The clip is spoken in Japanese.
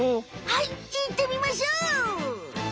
はいいってみましょう！